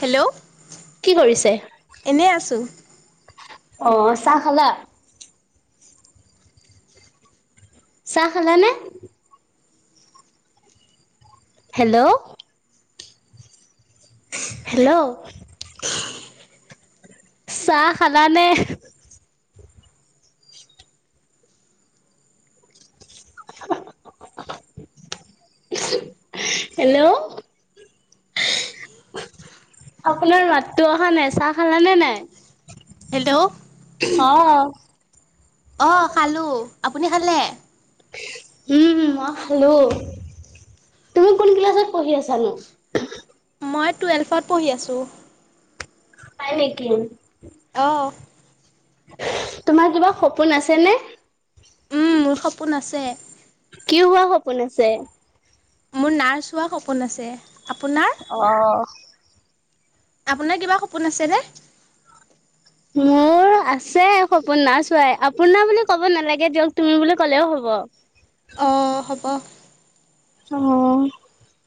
Hello, কি কৰিছে? এনে আছো। অ' চাহ খালা। চাহ খালানে। হেল্ল'। হেল্ল', চাহ খালানে। [inaudible] হেল্ল'। আপোনাৰ মাতটো অহা নাই চাহ খালা নে নাই। হেল্ল'। অ'। অ' খালোঁ, আপুনি খালে। উম, মই খালোঁ, তুমি কোন ক্লাছত পঢ়ি আছানো। মই টুৱেল্ভত পঢ়ি আছোঁ। হয় নেকি। অ'। তোমাৰ কিবা সপোন আছে নে। উম, মোৰ সপোন আছে। কি হোৱা সপোন আছে। মোৰ নাৰ্চ হোৱা সপোন আছে। আপোনাৰ? অ'। আপোনাৰ কিবা সপোন আছেনে। মোৰ আছে সপোন না চোৱাই আপোনাৰ বুলি ক'ব নালাগে দিয়ক তুমি বুলি ক'লেও হব। অ' হ'ব। অ'।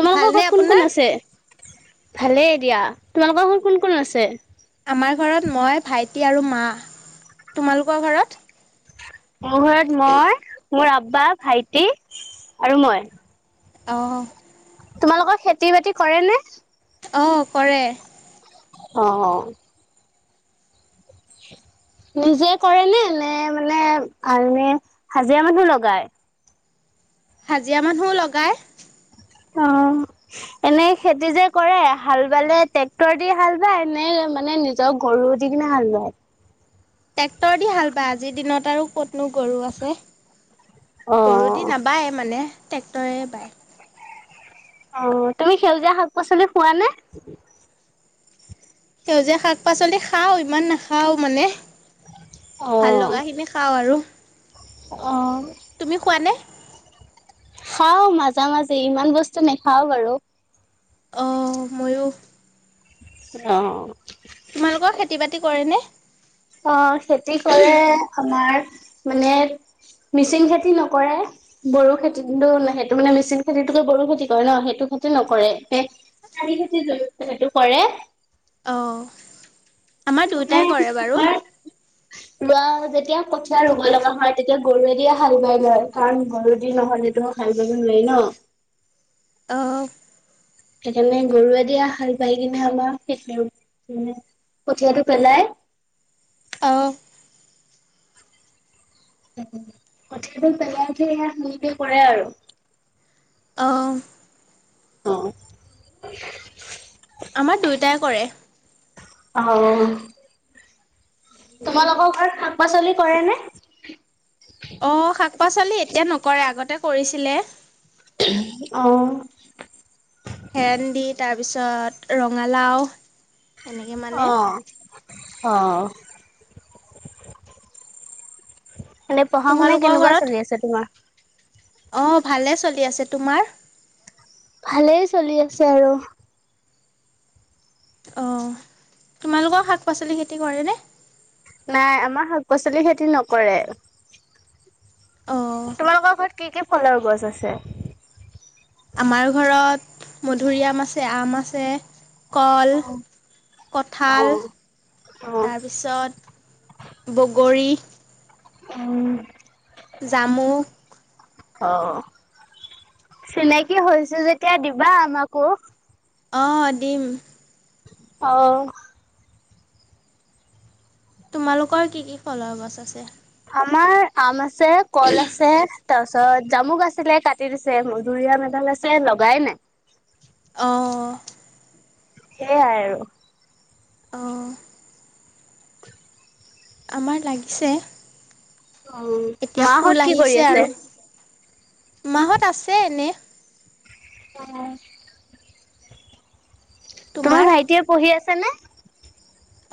তোমালোকৰ ভালনে ঘৰত কোন আপোনাৰ? কোন আছে। ভালে এ দিয়া, তোমালোকৰ ঘৰত কোন কোন আছে। আমাৰ ঘৰত মই ভাইটি আৰু মা, তোমালোকৰ ঘৰত। মোৰ ঘৰত মই মোৰ আব্বা ভাইটি আৰু মই। অ'। তোমালোকৰ খেতি বাতি কৰে নে। অ' কৰে। অ', অ'। নিজে কৰে নে নে মানে আনে হাজিৰা মানুহ লগায়। হাজিৰা মানুহও লগায়। অ' এনে খেতি যে কৰে হাল বালে ট্ৰেক্টৰ দি হাল বায় নে মানে নিজৰ গৰু দি কিনে হাল বায়। ট্ৰেক্টৰ দি হাল বায় আজিৰ দিনত আৰু ক'তনো গৰু আছে। অ গৰু দি নাবায় মানে। ট্ৰেক্টৰেৰে বায়। অহ', তুমি সেউজীয়া শাক পাচলি খুৱানে। সেউজীয়া শাক পাচলি খাওঁ ইমান নাখাওঁ মানে। অ ভাল লগাখিনি খাও আৰু অ তুমি খুৱানে। খাও মাজে - মাজে ইমান বস্তু নেখাও বাৰু। অহ ', মইয়ো। অহ', তোমালোকৰ খেতি বাতি কৰে নে। অহ ', খেতি কৰে আমাৰ। মানে মিচিং খেতি নকৰে বড়ো খেতি সেইটো মানে মিচিং খেতিতকে বড়ো খেতি কৰে ন সেইটো খেতি নকৰে, সেই শাৰি খেতিৰ সেইটো কৰে। অহ ', আমাৰ দুয়োটাই কৰে বাৰু। ৰোৱাও যেতিয়া কঠিয়াই ৰুব লগা হয় তেতিয়া। গৰুৱ দিয়ে হাল বাই লয় কাৰণ ঘৰুদি নহ'লেতো হাল বাব নোৱাৰি ন। অহ ', সেইকাৰণে গৰুৱে দিয়া হাল বাই কিনে [unintelligible] আমাৰে কঠীয়াটো পেলাই। অহ ', কথিয়াটো পেলাইহে সনেকে কৰে আৰু। অহ ', অহ ', আমাৰ দুয়োটাই কৰে অহ ', তোমালোকৰ ঘৰত খ পাচলি কৰে নে। অ চিলে অহ ', ভেণ্ডি দি তাৰপিছত ৰঙালাও। এনেকে মানে। অহ ', মানে পঢ়া শুনা কেনেকুৱা চলি আছে তোমাৰ। অহ', ভালে চলি আছে। তোমাৰ? ভালেই চলি আছে আৰু। অহ ', তোমালোকৰ শাক পাচলি খেতি কৰেনে? নাই আমাৰ শাক পাচলি খেতি নকৰে। অ তোমালোকৰ ঘৰত কি - কি ফলৰ গছ আছে। আমাৰ ঘৰত মধুৰি আম আছে আম আছে। চে। কল, অ', কঁঠাল, অ'। তাৰপিছত, বগৰী। উম জামুক অ চিনাকি হৈ হৈছে যেতিয়া দিবা আমাকো অ দিম আহ তোমালোকৰ কি কি ফলৰ গছ আছে আমাৰ আম ছে, কল আছে, তাছত অ', জামুক আছিলে কাটি দিছে। মধুৰিআম এডাল আছে লগাই নাই। অ'। সেইয়াই আৰু। অ'। আমাৰ লাগিছে। এতিয়া ফুল মা'হত কি কৰি আহিছে আছে? আৰু মা'হত আছে এনে। অ'। তোমাৰ ভাইটিয়ে পঢ়ি আছ তেনে?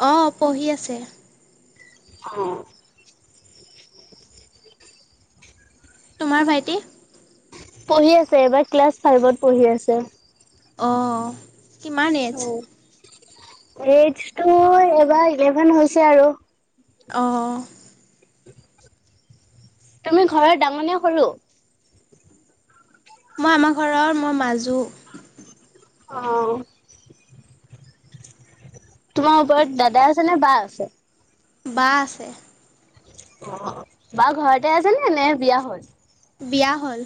অ', পঢ়ি আছে। [unintelligible] তোমাৰ ভাইটি? পঢ়ি আছে, এইবাৰ ক্লাছ ফাইভত পঢ়ি আছে। অ', কিমান এজ? এইচটো এবাৰ ইলেভেন হৈছে আৰু। অ'। তুমি ঘৰৰ ডাঙনে সৰু? মই আমাৰ ঘৰৰ মই মাজু। অ'। তোমাৰ ওপৰত দাদা আছে নে বা আছে? বা আছে। অ', বা ঘৰতে আছে নে, নে বিয়া হ'ল? বিয়া হ'ল।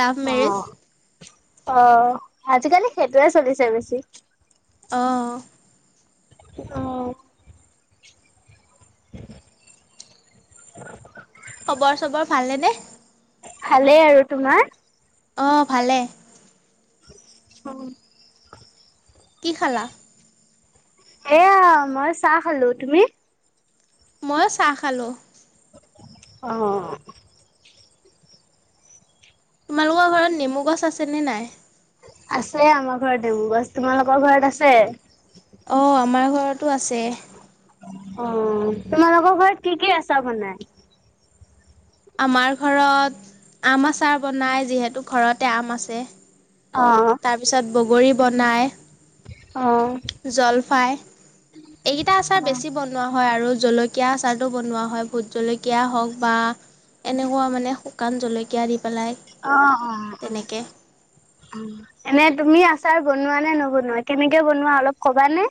Love marriage? অ', আজিকালি সেইটোৱে চলিছে বেছি। অ'। অ'। [inaudible] খবৰ চবৰ ভালেনে? ভালেই আৰু তোমাৰ? অ', ভালে। উ। কি খালা? এয়া মই চাহ খালো। তুমি? মইও চাহ খালো। অঁ। তোমালোকৰ ঘৰত নেমু গছ আছেনে নাই? আছে আমাৰ ঘৰত নেমু গছ, তোমালোকৰ ঘৰত আছে? অ', আমাৰ ঘৰতো আছে। অ', তোমালোকৰ ঘৰত কি কি আচাৰ বনাই? আমাৰ ঘৰত, আম আচাৰ বনাই যিহেতু ঘৰতে আম আছে। অঁ। তাৰপিছত বগৰী বনায়। জলফাই এইকেইটা আচাৰ বেছি বনোৱা হয় আৰু জলকি কিয়া চাৰোতো বনোৱা হয় ভোট জলকীয়া হওক বা এনেকুৱা মানে শুকান জলকীয়া দি পেলাই অঁ, অঁ, অঁ তেনেকে। এনে তুমি আছ আছাৰ বনোৱা নে নবনোৱা কেনেকে বনোৱা অলপ কবা নে?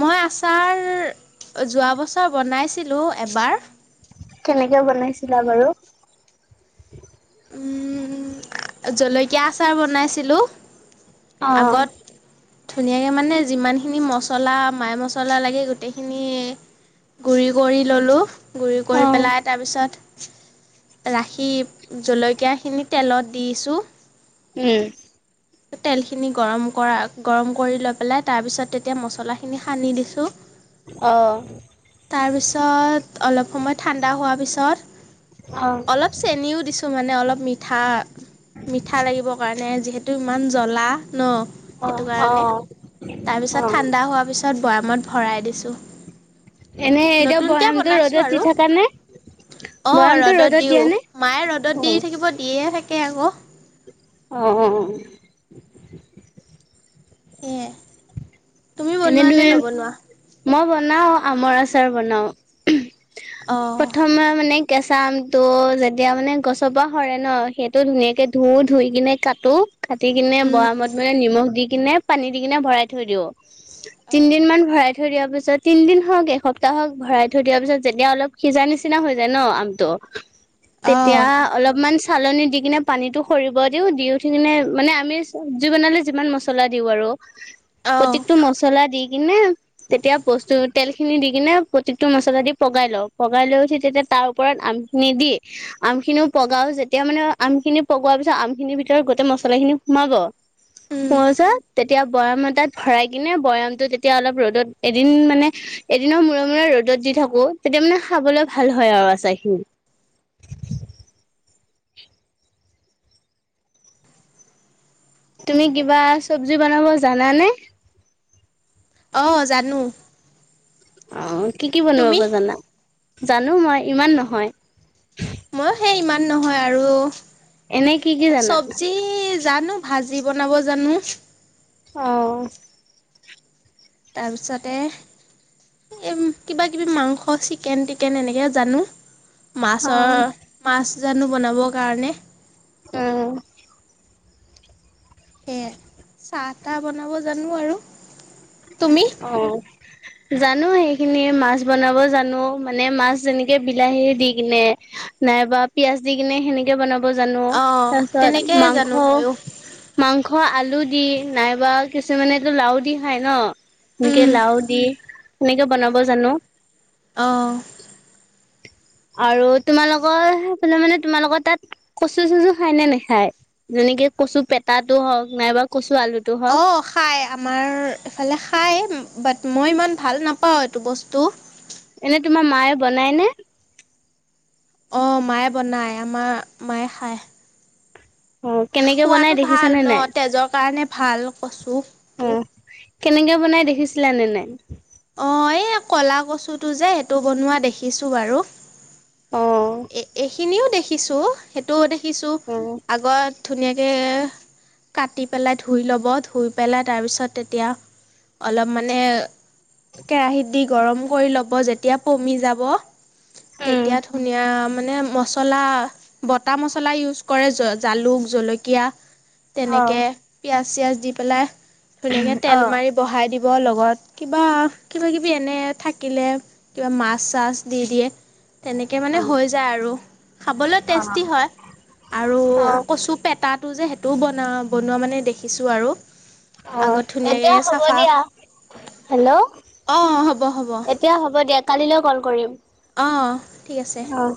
মই আচাৰ যোৱা বছৰ বনাইছিলো এবাৰ। কেনেকে বনাইছিলা বাৰু? উম জলকীয়া আচাৰ বনাইছিলো। অ অ', আগত ধুনীয়াকে মানে যিমানখিনি মছলা মাই মছলা লাগে গোটেইখিনি গুৰি কৰি ল'লো। গুৰি কৰি উম পেলাই তাৰপিছত ৰাখি জলকীয়া খিনি তেলত দিছো। উম। তেলখিনি গৰম কৰা গৰম কৰি লৈ পেলে তাৰপিছত তেতিয়া মছলাখিনি সানি দিছো। অঁ। তাৰপিছত অলপ সময় ঠাণ্ডা হোৱাৰ পিছত অলপ চেনিও দিছো। টো মানে অলপ মিঠা মিঠা লাগিব কাৰণে যিহেতু ইমান জ্বলা ন অ সেইটো অ কাৰণে অ তাৰপিছত ঠাণ্ডা হোৱা পিছত বয়ামত ভৰাই দিছো। এনেই এতিয়াও বৈয়ামতটো বনাইছো ৰ'দত দি আৰু থকা নে বৈয়ামটো ৰ'দত তু দিয়া নে? মায়ে ৰ'দত অ দি থাকিব দিয়ে। তেতিয়াহে থাকে আকৌ। অঁ। মেই য়া। তুমি এনে বনোৱা তুমি নে নবনোৱা? মই বনাও আমৰ আচাৰ বনাও। অ' প্ৰথমবাৰ মানে কেঁচা আমটো যেতিয়া মানে গছৰ পৰা সৰে ন সেইটো ধুনীয়াকে ধুও ধুই কিনে কাটো কাটি কিনে উম বৰামত মানে নিমখ দি কিনে পানী দি কিনে ভৰাই থৈ দিওঁ তিনদিন মান ভৰাই থৈ দিয়াৰ পিছত তিন দিন হওঁক এসপ্তাহ হওঁক ভৰাই থৈ দিয়া পিছত যেতিয়া অলপ সিজা নিচিনা হৈ যায় ন আমটো তেতিয়া অ' অলপমান চালনি দি কিনে পানীটো সৰিব দিওঁ দি উঠি কিনে মানে আমি চব্জি বনালে যিমান মছলা দিওঁ আৰু অ' প্ৰত্যেকটো মছলা দিিক এনে তেতিয়া বস্তু তেল খিনি দি কিনে প্ৰকটো মছলা দি পগাই লওঁ পগাই লৈ উঠি তেতিয়া তাৰ ওপৰত আমখিনি দি আমখিনিও পগাও যেতিয়া মানে আমখিনি পগোৱাৰ পিছত আমখিনিৰ ভিতৰত গোটেই মছলাখিনি সোমাব উম শছ [unintelligible] তেতিয়া বৰা মতাত ভৰাই কিনে বয়ামটো তেতিয়া অলপ ৰ'দত এদিন মানে এদিনৰ মূৰে মূৰে ৰ'দত দি থাকো তেতিয়া মানে খাবলৈ ভাল হয় আৰু আচাৰ খিনি তুমি কিবা চব্জি বনাব জানানে অঁ জানো অ কি কি বনাবাব তুমি জানা জানো মই ইমান নহয় মই সেই ইমান নহয় আৰু এনেই কি কি জানা চব্জি জানো ভাজি বনাব জানো আহ তাৰপিছতে এই কিব কিবি মাংস চিকেন টিকেন এনেকে জানো মাছৰ অ মাছ জানু বনাবৰ কাৰণে অ সে চাহ তাহ বনাব জানো আৰু তুমি? অ জানো সেইখিনি মাছ বনাব জানো মানে মাছ যেনেকে বিলাহী দি কিনে নাইবা পিয়াজ দি কিনে সেনেকে বনাব [unintelligible] জ [unintelligible] অ', তাৰপিছত তেনেকেই মাংস জানো ময়ো মাংস আলু আলু দি নাইবা কিছুমানেো লাও দি খায় ন মকে উম, লাও দি কেনেকে বনাব জানো অ' আৰু তোমালোকৰেইফে মানে তোমালোকৰ তাত কচু চচু খাই নে নেখায় যেনেকে কচু পেেতাতটো হওক নাইবা কচু আলুটো হওক অ খাই আমাৰ এইফালে খাই বাট মই ইমান ভাল নাপাওঁ এইটো বস্তু এনে তোমাৰ মায়ে বনায় নে অ' মায়ে বনায় আমাৰ মায়ে সায় অ' কেনেকে বনাই দেখিছানে ন নাই। তেজৰ কাৰণে ভাল কচু। অ' কেনেকে বনাই দেখিছিলা নে নাই অ' এই কলা কচুটো যে সেইটো বনোৱা দেখিছো বাৰু অ', এ-এইখিনিও দে দেখিছো সেইটো দে শিকিছোঁ অ'। আগত ধুনীয়াকে কাটি পেলাই ধুই ল'ব, ধুই পেলাই তাৰপিছত তেতিয়া অলপ মানে, কেৰাহীত দি গৰম কৰি ল'ব যেতিয়া পমি যাব উম, তেতিয়া ধুন অ, মান মছলা, বটা মছলা ইউজ কৰে জালুক-জলকীয়া তেনেকে অ', পিয়াজ চিয়াজ দি পেলাই ধুনীয়াকে তেল অ', মাৰি বহাই দি লগত কিবা কিবাকিবি এনে থাকিলে কিবা মাছ-চাছ দি দিয়ে তেনে তে মানে হৈ যায় আৰু, খাবলৈ অ', টেষ্টি হয় আৰু অ'। কচুপেতাত টো যে সেইটোও বনাও বনোৱা মানে দেখিছোঁ আৰু অ, আগত ধুনীয়াকৈ এতিয়া হ'ব চাফা দিয়া। হেল্ল' অঁ হ'ব হ'ব এতিয়া হ'ব দিয়া কালিলৈ কল কৰিম। অঁ ঠিক আছে। অ'।